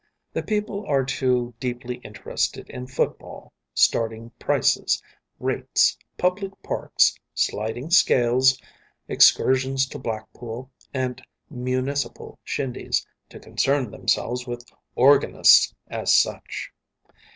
The people are too deeply interested in football, starting prices, rates, public parks, sliding scales, excursions to Blackpool, and municipal shindies, to concern themselves with organists as such.